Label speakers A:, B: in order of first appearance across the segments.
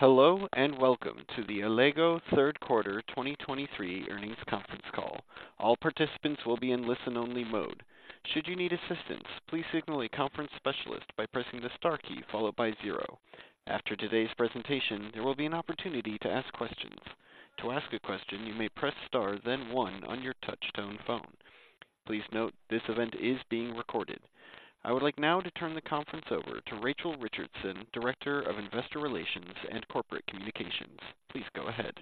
A: Hello, and welcome to the Allego third quarter 2023 earnings conference call. All participants will be in listen-only mode. Should you need assistance, please signal a conference specialist by pressing the star key followed by zero. After today's presentation, there will be an opportunity to ask questions. To ask a question, you may press star, then one on your touchtone phone. Please note, this event is being recorded. I would like now to turn the conference over to Rachel Richardson, Director of Investor Relations and Corporate Communications. Please go ahead.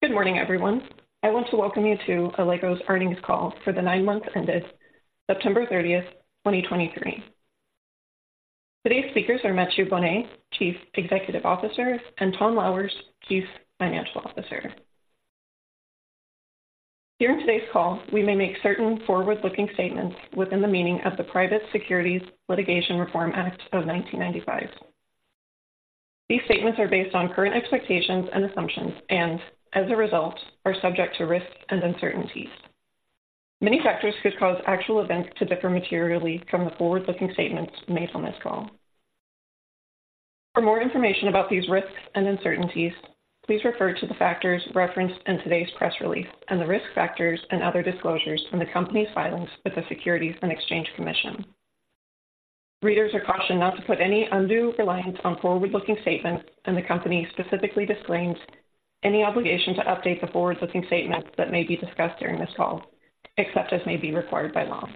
B: Good morning, everyone. I want to welcome you to Allego's earnings call for the 9 months ended September 30, 2023. Today's speakers are Mathieu Bonnet, Chief Executive Officer, and Ton Louwers, Chief Financial Officer. During today's call, we may make certain forward-looking statements within the meaning of the Private Securities Litigation Reform Act of 1995. These statements are based on current expectations and assumptions, and as a result, are subject to risks and uncertainties. Many factors could cause actual events to differ materially from the forward-looking statements made on this call. For more information about these risks and uncertainties, please refer to the factors referenced in today's press release and the risk factors and other disclosures from the company's filings with the Securities and Exchange Commission. Readers are cautioned not to put any undue reliance on forward-looking statements, and the company specifically disclaims any obligation to update the forward-looking statements that may be discussed during this call, except as may be required by law.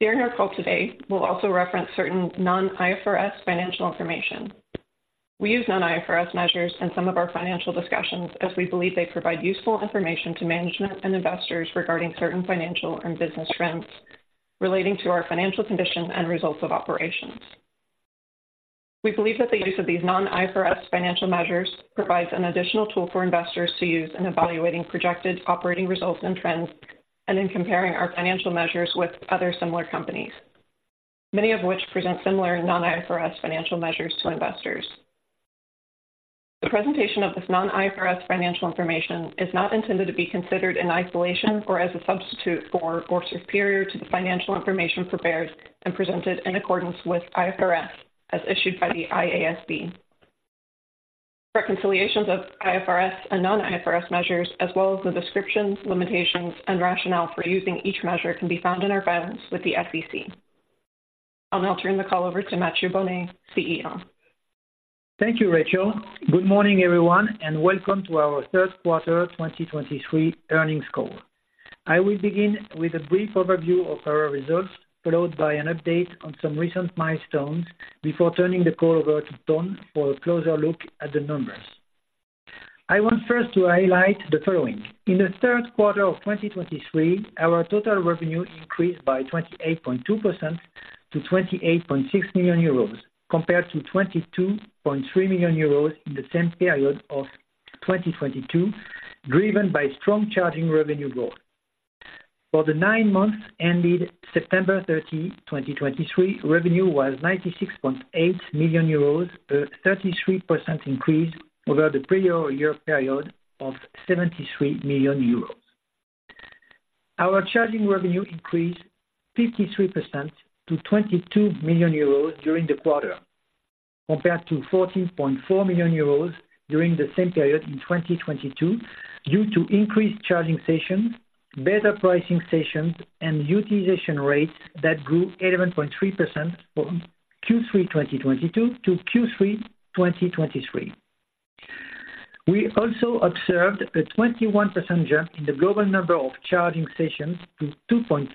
B: During our call today, we'll also reference certain non-IFRS financial information. We use non-IFRS measures in some of our financial discussions as we believe they provide useful information to management and investors regarding certain financial and business trends relating to our financial condition and results of operations. We believe that the use of these non-IFRS financial measures provides an additional tool for investors to use in evaluating projected operating results and trends, and in comparing our financial measures with other similar companies, many of which present similar non-IFRS financial measures to investors. The presentation of this non-IFRS financial information is not intended to be considered in isolation or as a substitute for or superior to the financial information prepared and presented in accordance with IFRS, as issued by the IASB. Reconciliations of IFRS and non-IFRS measures, as well as the descriptions, limitations, and rationale for using each measure, can be found in our filings with the SEC. I'll now turn the call over to Mathieu Bonnet, CEO.
C: Thank you, Rachel. Good morning, everyone, and welcome to our third quarter 2023 earnings call. I will begin with a brief overview of our results, followed by an update on some recent milestones before turning the call over to Ton for a closer look at the numbers. I want first to highlight the following. In the third quarter of 2023, our total revenue increased by 28.2% to 28.6 million euros, compared to 22.3 million euros in the same period of 2022, driven by strong charging revenue growth. For the nine months ended September 30, 2023, revenue was 96.8 million euros, a 33% increase over the prior year period of 73 million euros. Our charging revenue increased 53% to 22 million euros during the quarter, compared to 14.4 million euros during the same period in 2022, due to increased charging sessions, better pricing sessions, and utilization rates that grew 11.3% from Q3 2022 to Q3 2023. We also observed a 21% jump in the global number of charging sessions to 2.6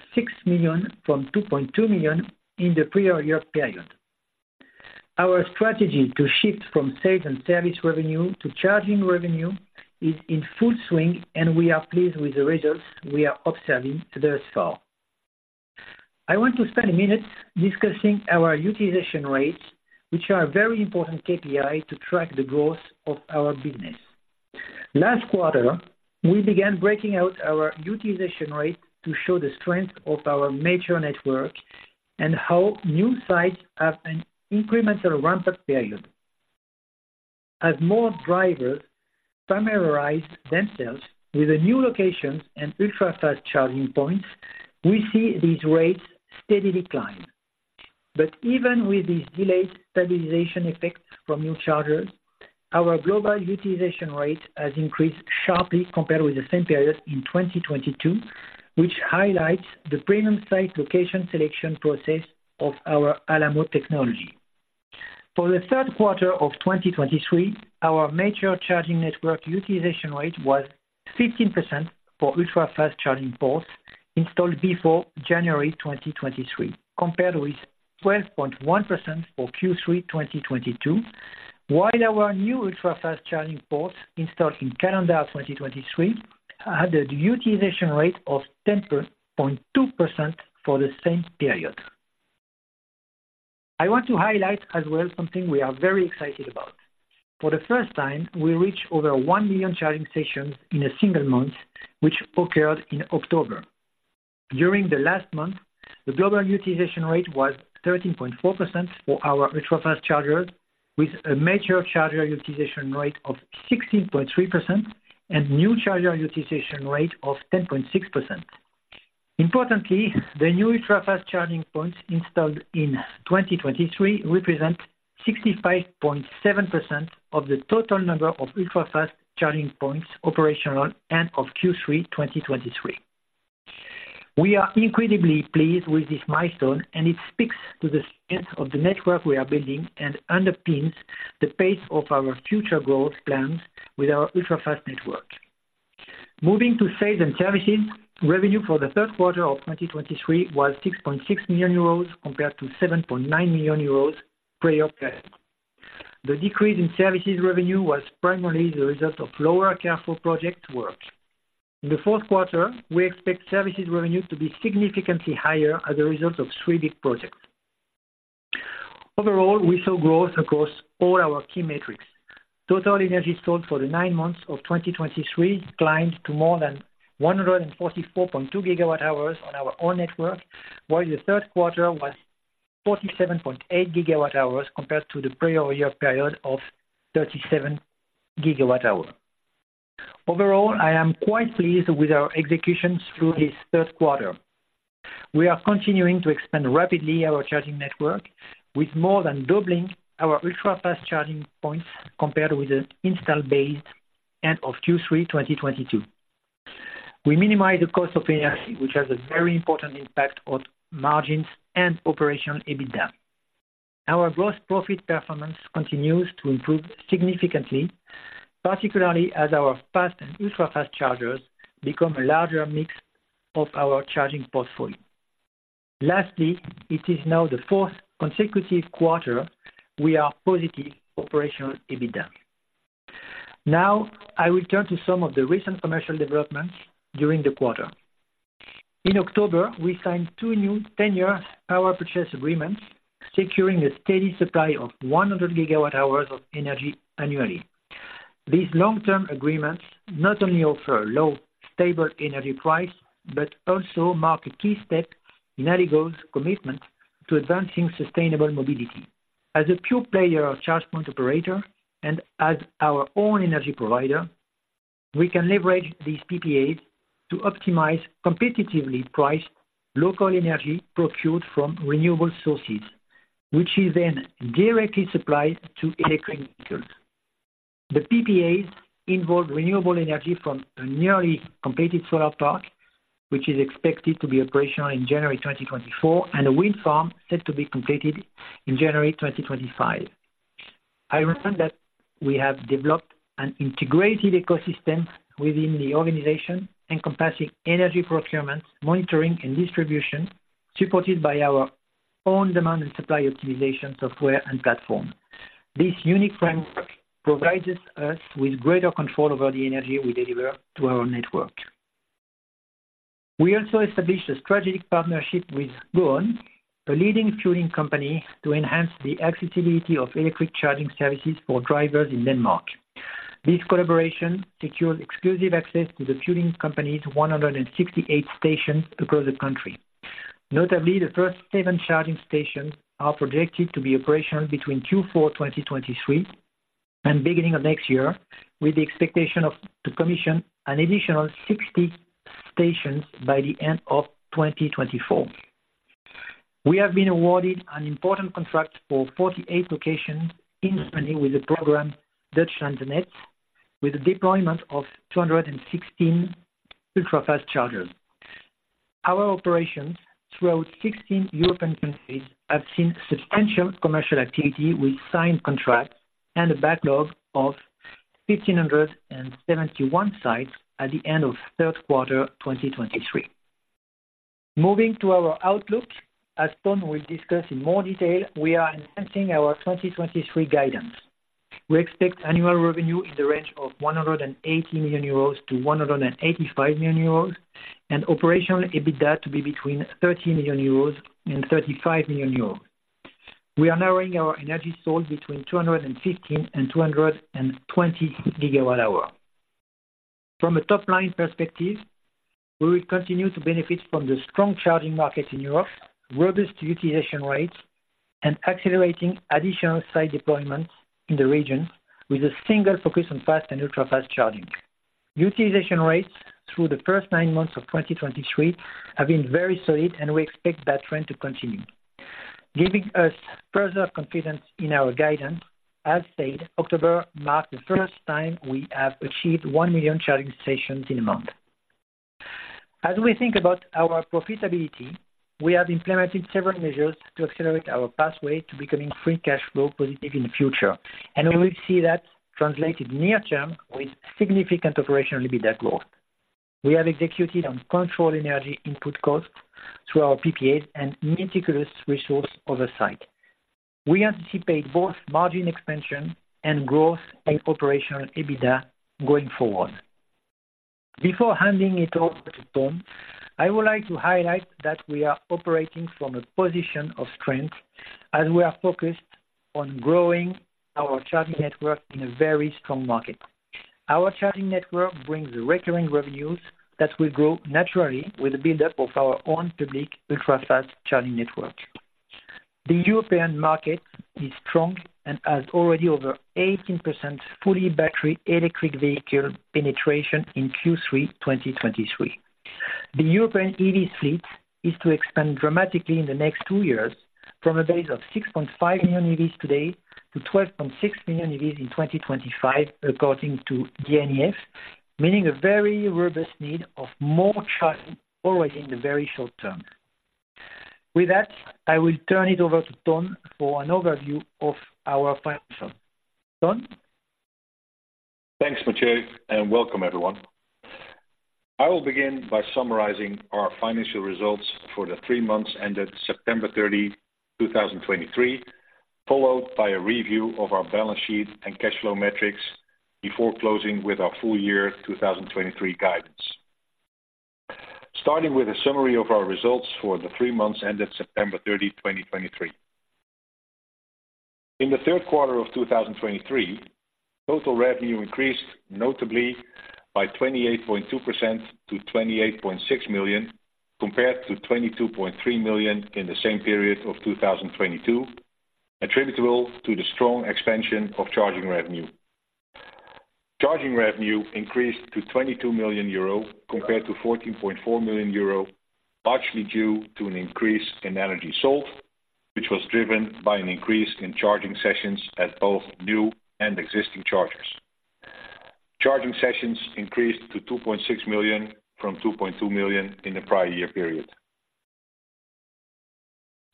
C: million from 2.2 million in the prior year period. Our strategy to shift from sales and service revenue to charging revenue is in full swing, and we are pleased with the results we are observing thus far. I want to spend a minute discussing our utilization rates, which are a very important KPI to track the growth of our business. Last quarter, we began breaking out our utilization rate to show the strength of our major network and how new sites have an incremental ramp-up period. As more drivers familiarize themselves with the new locations and ultra-fast charging points, we see these rates steadily climb. But even with these delayed stabilization effects from new chargers, our global utilization rate has increased sharply compared with the same period in 2022, which highlights the premium site location selection process of our Allamo technology. For the third quarter of 2023, our major charging network utilization rate was 15% for ultra-fast charging ports installed before January 2023, compared with 12.1% for Q3 2022, while our new ultra-fast charging ports installed in calendar 2023 had a utilization rate of 10.2% for the same period. I want to highlight as well something we are very excited about. For the first time, we reached over 1 million charging sessions in a single month, which occurred in October. During the last month, the global utilization rate was 13.4% for our ultra-fast chargers, with a major charger utilization rate of 16.3% and new charger utilization rate of 10.6%. Importantly, the new ultra-fast charging points installed in 2023 represent 65.7% of the total number of ultra-fast charging points operational end of Q3, 2023. We are incredibly pleased with this milestone, and it speaks to the strength of the network we are building and underpins the pace of our future growth plans with our ultra-fast network. Moving to sales and services, revenue for the third quarter of 2023 was 6.6 million euros, compared to 7.9 million euros prior period. The decrease in services revenue was primarily the result of lower Carrefour project work. In the fourth quarter, we expect services revenue to be significantly higher as a result of three big projects. Overall, we saw growth across all our key metrics. Total energy sold for the nine months of 2023 climbed to more than 144.2 GWh on our own network, while the third quarter was 47.8 GWh, compared to the prior year period of 37 GWh. Overall, I am quite pleased with our execution through this third quarter. We are continuing to expand rapidly our charging network, with more than doubling our ultrafast charging points compared with the install base end of Q3 2022. We minimize the cost of energy, which has a very important impact on margins and operational EBITDA. Our gross profit performance continues to improve significantly, particularly as our fast and ultrafast chargers become a larger mix of our charging portfolio. Lastly, it is now the fourth consecutive quarter we are positive operational EBITDA. Now, I will turn to some of the recent commercial developments during the quarter. In October, we signed two new 10-year power purchase agreements, securing a steady supply of 100 GWh of energy annually. These long-term agreements not only offer a low, stable energy price, but also mark a key step in Allego's commitment to advancing sustainable mobility. As a pure player of Charge Point Operator and as our own energy provider, we can leverage these PPAs to optimize competitively priced local energy procured from renewable sources, which is then directly supplied to electric vehicles. The PPAs involve renewable energy from a nearly completed solar park, which is expected to be operational in January 2024, and a wind farm set to be completed in January 2025. I remind that we have developed an integrated ecosystem within the organization, encompassing energy procurement, monitoring, and distribution, supported by our own demand and supply optimization software and platform. This unique framework provides us with greater control over the energy we deliver to our network. We also established a strategic partnership with Go'on, a leading fueling company, to enhance the accessibility of electric charging services for drivers in Denmark. This collaboration secures exclusive access to the fueling company's 168 stations across the country. Notably, the first seven charging stations are projected to be operational between Q4 2023 and beginning of next year, with the expectation of to commission an additional 60 stations by the end of 2024. We have been awarded an important contract for 48 locations in expanding with the program, Deutschlandnetz, with a deployment of 216 ultrafast chargers. Our operations throughout 16 European countries have seen substantial commercial activity, with signed contracts and a backlog of 1,571 sites at the end of third quarter 2023. Moving to our outlook, as Ton will discuss in more detail, we are enhancing our 2023 guidance. We expect annual revenue in the range of 180 million euros to 185 million euros, and operational EBITDA to be between 30 million euros and 35 million euros. We are narrowing our energy sold between 215 and 220 GWh. From a top-line perspective, we will continue to benefit from the strong charging market in Europe, robust utilization rates, and accelerating additional site deployments in the region, with a single focus on fast and ultrafast charging. Utilization rates through the first nine months of 2023 have been very solid, and we expect that trend to continue. Giving us further confidence in our guidance, as said, October marked the first time we have achieved 1 million charging sessions in a month. As we think about our profitability, we have implemented several measures to accelerate our pathway to becoming free cash flow positive in the future, and we will see that translated near term with significant operational EBITDA growth. We have executed on controlled energy input costs through our PPAs and meticulous resource oversight. We anticipate both margin expansion and growth in operational EBITDA going forward. Before handing it over to Ton, I would like to highlight that we are operating from a position of strength as we are focused on growing our charging network in a very strong market. Our charging network brings recurring revenues that will grow naturally with the buildup of our own public ultrafast charging network. The European market is strong and has already over 18% fully battery electric vehicle penetration in Q3 2023. The European EV fleet is to expand dramatically in the next two years, from a base of 6.5 million EVs today, to 12.6 million EVs in 2025, according to BNEF, meaning a very robust need of more charging already in the very short term. With that, I will turn it over to Ton, for an overview of our financial. Ton?
D: Thanks, Mathieu, and welcome, everyone. I will begin by summarizing our financial results for the three months ended September 30, 2023, followed by a review of our balance sheet and cash flow metrics, before closing with our full year 2023 guidance. Starting with a summary of our results for the three months ended September 30, 2023. In the third quarter of 2023, total revenue increased notably by 28.2% to 28.6 million, compared to 22.3 million in the same period of 2022, attributable to the strong expansion of charging revenue. Charging revenue increased to 22 million euro, compared to 14.4 million euro, largely due to an increase in energy sold, which was driven by an increase in charging sessions at both new and existing chargers. Charging sessions increased to 2.6 million from 2.2 million in the prior year period.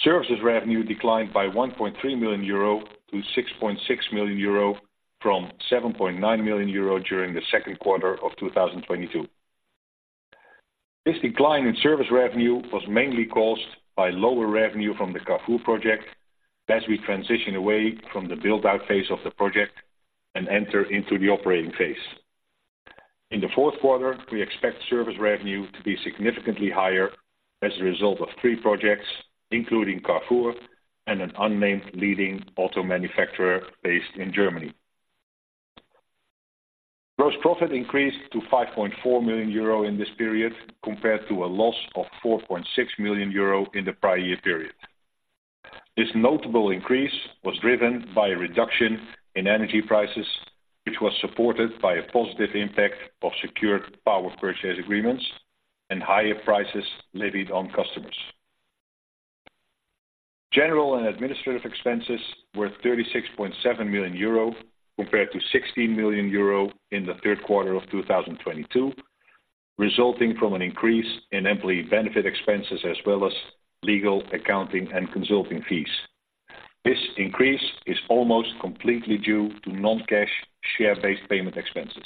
D: Services revenue declined by 1.3 million euro to 6.6 million euro, from 7.9 million euro during the second quarter of 2022. This decline in service revenue was mainly caused by lower revenue from the Carrefour project, as we transition away from the build-out phase of the project and enter into the operating phase. In the fourth quarter, we expect service revenue to be significantly higher as a result of three projects, including Carrefour and an unnamed leading auto manufacturer based in Germany. Gross profit increased to 5.4 million euro in this period, compared to a loss of 4.6 million euro in the prior year period. This notable increase was driven by a reduction in energy prices, which was supported by a positive impact of secured power purchase agreements and higher prices levied on customers. General and administrative expenses were 36.7 million euro, compared to 16 million euro in the third quarter of 2022, resulting from an increase in employee benefit expenses, as well as legal, accounting, and consulting fees. This increase is almost completely due to non-cash, share-based payment expenses.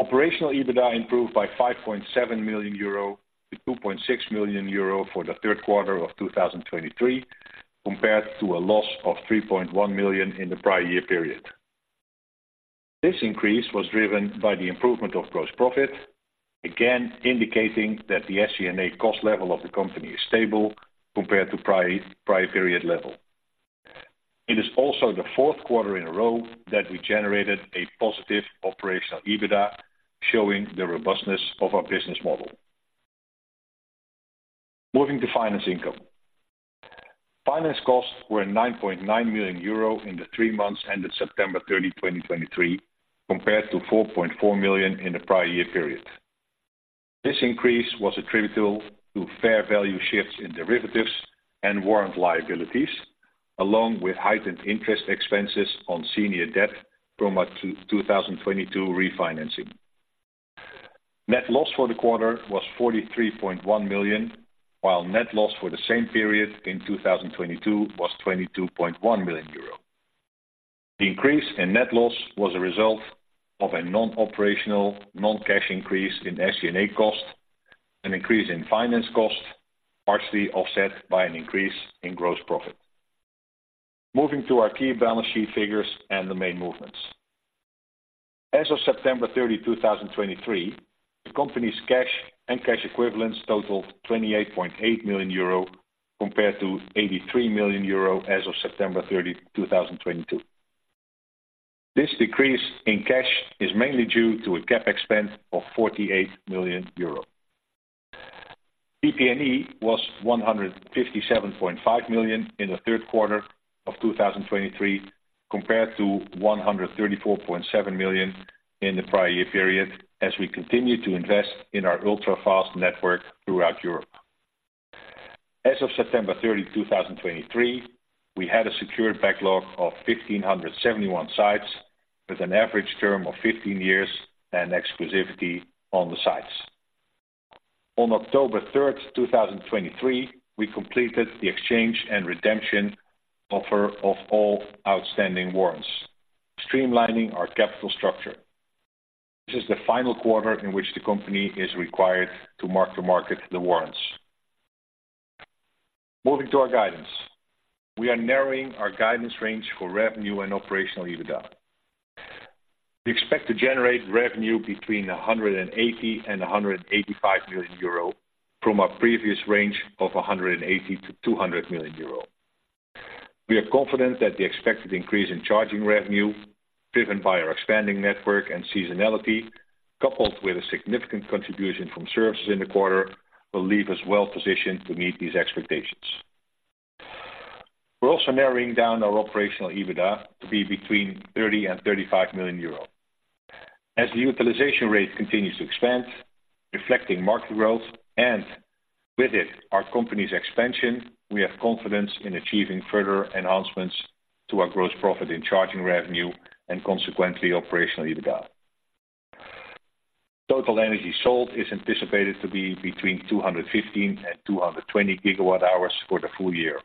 D: Operational EBITDA improved by 5.7 million euro to 2.6 million euro for the third quarter of 2023, compared to a loss of 3.1 million in the prior year period. This increase was driven by the improvement of gross profit, again, indicating that the SG&A cost level of the company is stable compared to prior period level. It is also the fourth quarter in a row that we generated a positive operational EBITDA, showing the robustness of our business model. Moving to finance income. Finance costs were 9.9 million euro in the three months ended September 30, 2023, compared to 4.4 million in the prior year period. This increase was attributable to fair value shifts in derivatives and warrant liabilities, along with heightened interest expenses on senior debt from our 2022 refinancing. Net loss for the quarter was 43.1 million, while net loss for the same period in 2022 was 22.1 million euro. The increase in net loss was a result of a non-operational, non-cash increase in SG&A costs, an increase in finance costs, partially offset by an increase in gross profit. Moving to our key balance sheet figures and the main movements. As of September 30, 2023, the company's cash and cash equivalents totaled 28.8 million euro, compared to 83 million euro as of September 30, 2022. This decrease in cash is mainly due to a CapEx spend of 48 million euros. PP&E was 157.5 million in the third quarter of 2023, compared to 134.7 million in the prior year period, as we continue to invest in our ultra-fast network throughout Europe. As of September 30, 2023, we had a secured backlog of 1,571 sites, with an average term of 15 years and exclusivity on the sites. On October 3, 2023, we completed the exchange and redemption offer of all outstanding warrants, streamlining our capital structure. This is the final quarter in which the company is required to mark to market the warrants. Moving to our guidance. We are narrowing our guidance range for revenue and operational EBITDA. We expect to generate revenue between 180 million and 185 million euro, from our previous range of 180 million to 200 million euro. We are confident that the expected increase in charging revenue, driven by our expanding network and seasonality, coupled with a significant contribution from services in the quarter, will leave us well positioned to meet these expectations. We're also narrowing down our operational EBITDA to be between 30 million and 35 million euros. As the utilization rate continues to expand, reflecting market growth and with it, our company's expansion, we have confidence in achieving further enhancements to our gross profit in charging revenue and consequently, operational EBITDA. Total energy sold is anticipated to be between 215 and 220 GWh for the full year.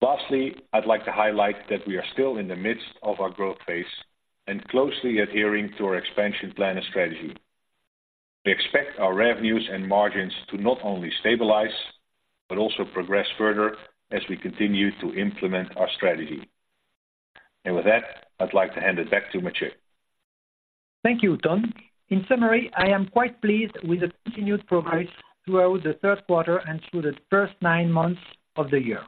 D: Lastly, I'd like to highlight that we are still in the midst of our growth phase and closely adhering to our expansion plan and strategy. We expect our revenues and margins to not only stabilize, but also progress further as we continue to implement our strategy. And with that, I'd like to hand it back to Mathieu.
C: Thank you, Ton. In summary, I am quite pleased with the continued progress throughout the third quarter and through the first nine months of the year.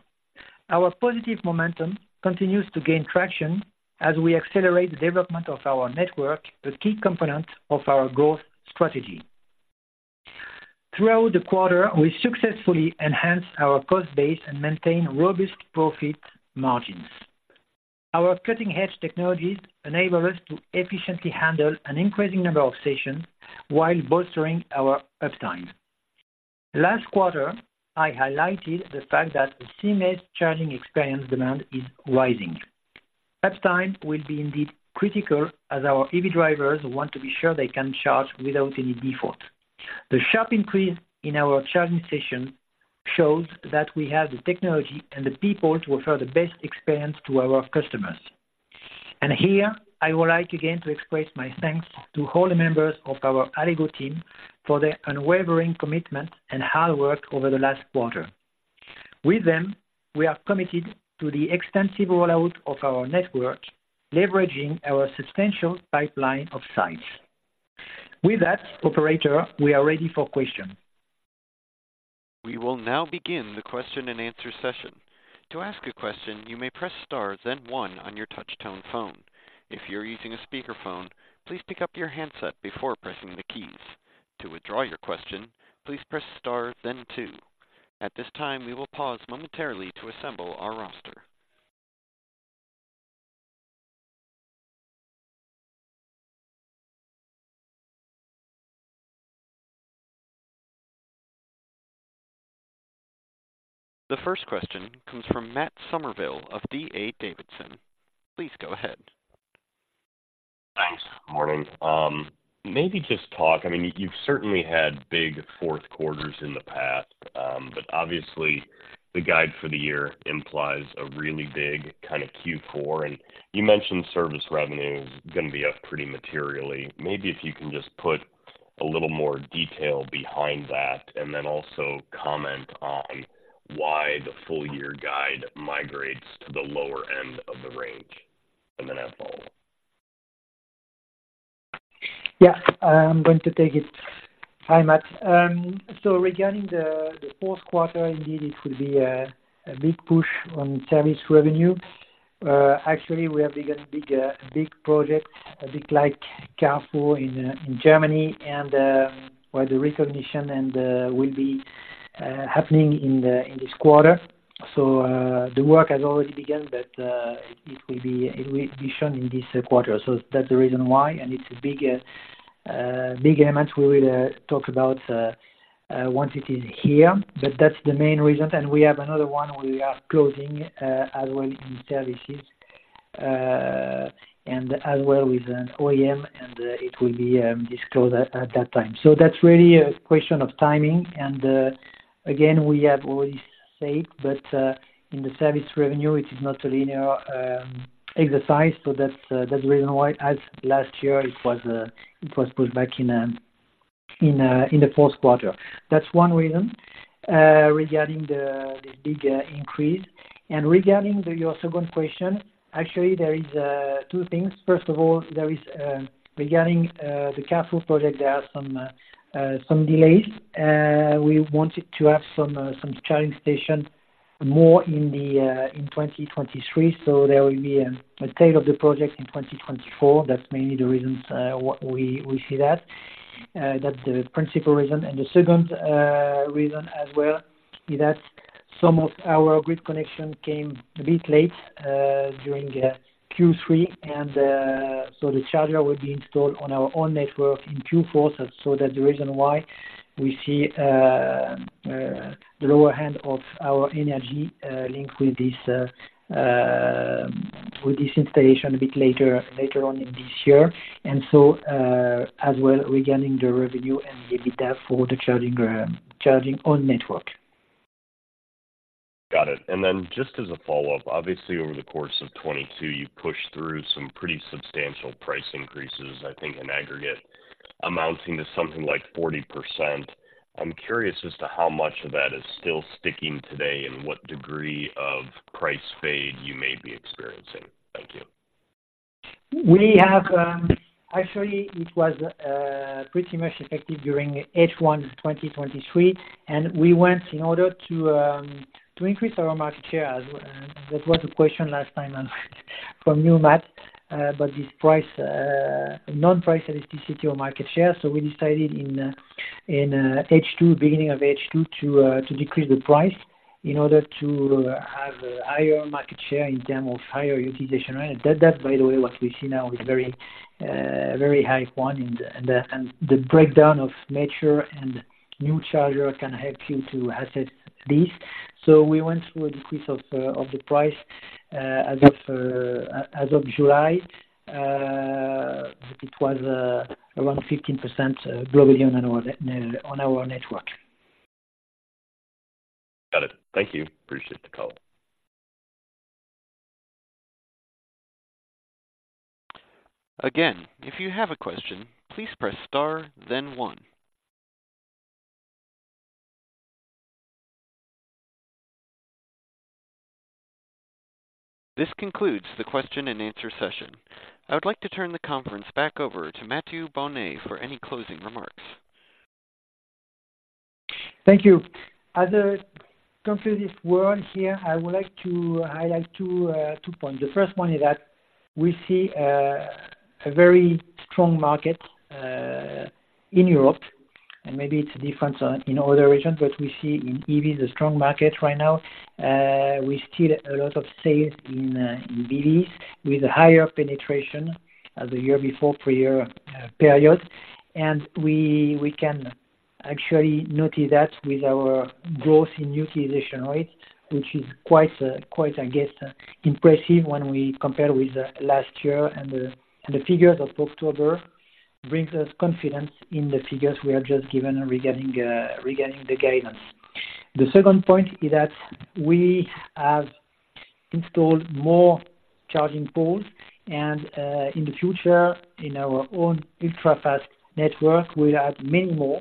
C: Our positive momentum continues to gain traction as we accelerate the development of our network, the key component of our growth strategy. Throughout the quarter, we successfully enhanced our cost base and maintained robust profit margins. Our cutting-edge technologies enable us to efficiently handle an increasing number of sessions while bolstering our uptime. Last quarter, I highlighted the fact that the seamless charging experience demand is rising. Uptime will be indeed critical as our EV drivers want to be sure they can charge without any default. The sharp increase in our charging station shows that we have the technology and the people to offer the best experience to our customers. Here, I would like again to express my thanks to all the members of our Allego team for their unwavering commitment and hard work over the last quarter. With them, we are committed to the extensive rollout of our network, leveraging our substantial pipeline of sites. With that, operator, we are ready for question.
A: We will now begin the question and answer session. To ask a question, you may press star, then one on your touch tone phone. If you're using a speakerphone, please pick up your handset before pressing the keys. To withdraw your question, please press star then two. At this time, we will pause momentarily to assemble our roster. The first question comes from Matt Summerville of D.A. Davidson. Please go ahead.
E: Thanks. Morning. Maybe just talk, I mean, you've certainly had big fourth quarters in the past, but obviously, the guide for the year implies a really big kind of Q4, and you mentioned service revenue is going to be up pretty materially. Maybe if you can just put a little more detail behind that, and then also comment on why the full year guide migrates to the lower end of the range, and then I follow up.
C: Yeah, I'm going to take it. Hi, Matt. So regarding the fourth quarter, indeed, it will be a big push on service revenue. Actually, we have begun big projects, a bit like Carrefour in Germany, and where the recognition will be happening in this quarter. So the work has already begun, but it will be shown in this quarter. So that's the reason why. And it's a big amount we will talk about once it is here, but that's the main reason. And we have another one we are closing as well in services, and as well with an OEM, and it will be disclosed at that time. So that's really a question of timing, and, again, we have already said, but, in the service revenue, it is not a linear exercise, so that's the reason why, as last year, it was pushed back in the fourth quarter. That's one reason regarding the big increase. And regarding your second question, actually, there is two things. First of all, there is regarding the Carrefour project, there are some delays. We wanted to have some charging station more in 2023, so there will be a start of the project in 2024. That's mainly the reasons why we see that. That's the principal reason. And the second reason as well is that some of our grid connection came a bit late during Q3, and so the charger will be installed on our own network in Q4. So that's the reason why we see the lower hand of our energy linked with this installation a bit later on in this year. And so as well, regarding the revenue and the EBITDA for the charging on network.
E: Got it. And then just as a follow-up, obviously, over the course of 2022, you've pushed through some pretty substantial price increases, I think in aggregate, amounting to something like 40%. I'm curious as to how much of that is still sticking today and what degree of price fade you may be experiencing. Thank you....
C: We have, actually, it was pretty much effective during H1, 2023, and we went in order to increase our market share. As that was a question last time from you, Matt, about this price non-price elasticity or market share. So we decided in H2, beginning of H2, to decrease the price in order to have a higher market share in terms of higher utilization rate. That, by the way, what we see now is very, very high point, and the breakdown of mature and new charger can help you to assess this. So we went through a decrease of the price as of July. It was around 15% globally on our network.
E: Got it. Thank you. Appreciate the call.
A: Again, if you have a question, please press star, then one. This concludes the question and answer session. I would like to turn the conference back over to Mathieu Bonnet for any closing remarks.
C: Thank you. As I come to this world here, I would like to highlight two points. The first one is that we see a very strong market in Europe, and maybe it's different in other regions, but we see in EV the strong market right now. We still a lot of sales in BEVs, with higher penetration as a year before per year period. And we can actually notice that with our growth in utilization rate, which is quite, I guess, impressive when we compare with last year. And the figures of October brings us confidence in the figures we have just given regarding the guidance. The second point is that we have installed more charging poles, and in the future, in our own ultra-fast network, we'll add many more,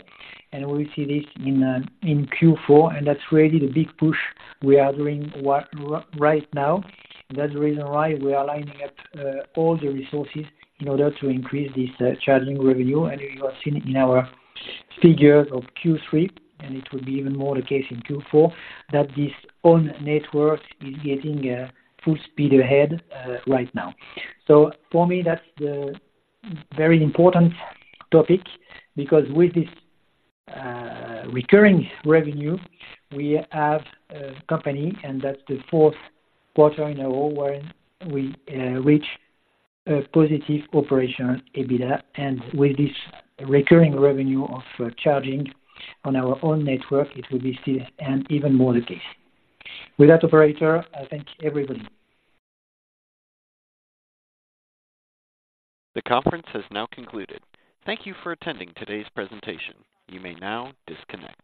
C: and we will see this in Q4, and that's really the big push we are doing right now. That's the reason why we are lining up all the resources in order to increase this charging revenue. And you have seen in our figures of Q3, and it will be even more the case in Q4, that this own network is getting full speed ahead right now. So for me, that's the very important topic, because with this recurring revenue, we have a company, and that's the fourth quarter in a row where we reach a positive operation EBITDA, and with this recurring revenue of charging on our own network, it will be still and even more the case. With that, operator, I thank everybody.
A: The conference has now concluded. Thank you for attending today's presentation. You may now disconnect.